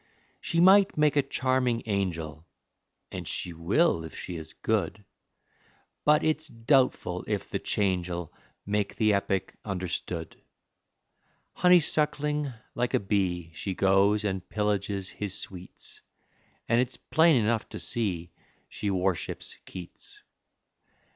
She might make a charming angel (And she will if she is good), But it's doubtful if the change'll Make the Epic understood: Honeysuckling, like a bee she Goes and pillages his sweets, And it's plain enough to see she Worships Keats.